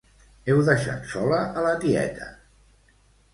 Heu deixat sola a la tieta!